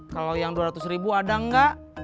kalo yang dua ratus ribu ada enggak